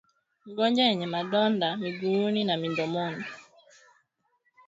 Magonjwa yenye madonda miguuni na midomoni